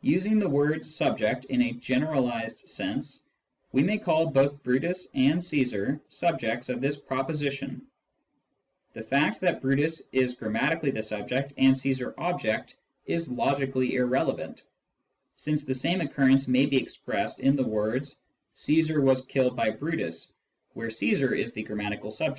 Using the word "subject" in a generalised sense, we may call both Brutus and Caesar subjects of this proposition : the fact that Brutus is gram matically subject and Caesar object is logically irrelevant, since the same occurrence may be expressed in the words " Caesar was killed by Brutus," where Caesar is the grammatical subject.